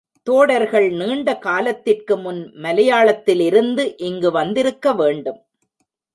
தோடர்கள் நீண்ட காலத்திற்கு முன் மலையாளத்திலிருந்து இங்கு வந்திருக்க வேண்டும்.